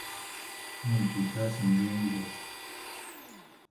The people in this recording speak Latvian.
Muļķīt, esam džungļos.